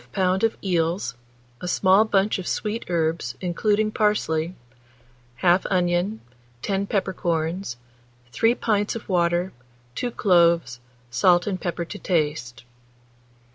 of eels, a small bunch of sweet herbs, including parsley; 1/2 onion, 10 peppercorns, 3 pints of water, 2 cloves, salt and pepper to taste.